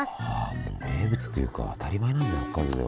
もう名物というか当たり前なんだ北海道では。